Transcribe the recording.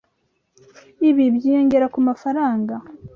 Ibi byiyongera kumafaranga.